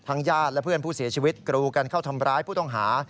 ญาติและเพื่อนผู้เสียชีวิตกรูกันเข้าทำร้ายผู้ต้องหา